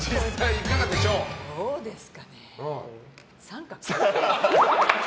どうですかね△？